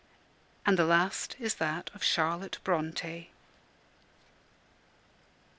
.. And the last is that of Charlotte Bronte.